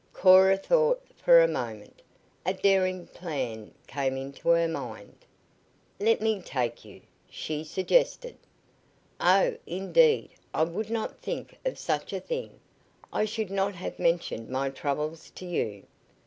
Cora thought for a moment. A daring plan came into her mind. "Let me take you," she suggested. "Oh, indeed, I would not think of such a thing. I should not have mentioned my troubles to you.